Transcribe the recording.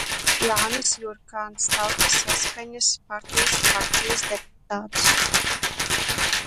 Jānis Jurkāns, Tautas saskaņas partijas frakcijas deputāts.